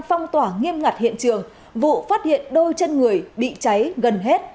phong tỏa nghiêm ngặt hiện trường vụ phát hiện đôi chân người bị cháy gần hết